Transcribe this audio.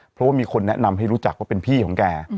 เพราะว่ามีคนแนะนำให้รู้จักว่าเป็นพี่ของแก